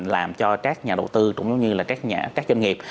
làm cho các nhà đầu tư cũng như là các doanh nghiệp